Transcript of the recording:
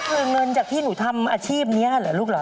คือเงินจากที่หนูทำอาชีพนี้เหรอลูกเหรอ